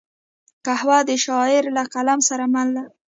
قهوه د شاعر له قلم سره مل ده